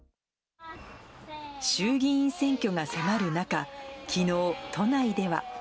衆議院選挙が迫る中、きのう、都内では。